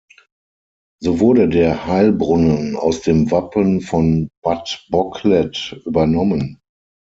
So wurde der Heilbrunnen aus dem Wappen von Bad Bocklet übernommen.